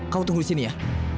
kau tunggu di sini ya